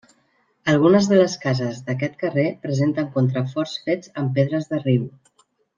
Algunes de les cases d'aquest carrer presenten contraforts fets amb pedres de riu.